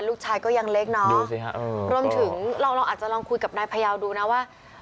ลูกชายก็ยังเล็กเนาะรวมถึงเราอาจจะลองคุยกับนายพยาวดูนะว่า